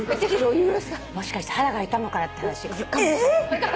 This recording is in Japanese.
もしかして肌が傷むからって話？えっ！？